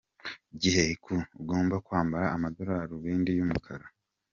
Gihe ki ugomba kwambara amadarubindi y’umukara